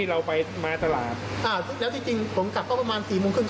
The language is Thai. แล้วจริงผมกลับก็ประมาณ๔โมงขึ้น